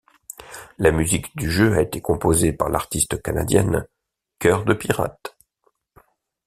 La musique du jeu a été composée par l'artiste canadienne Cœur De Pirate.